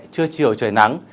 chưa chiều trời nắng